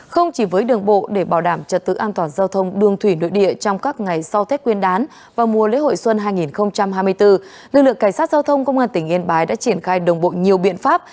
không chỉ với đường bộ để bảo đảm trật tự an toàn giao thông đường thủy nội địa trong các ngày sau thết quyên đán và mùa lễ hội xuân hai nghìn hai mươi bốn lực lượng cảnh sát giao thông công an tỉnh yên bái đã triển khai đồng bộ nhiều biện pháp